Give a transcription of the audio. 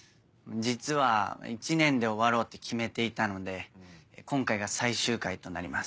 実は１年で終わろうって決めていたので今回が最終回となります。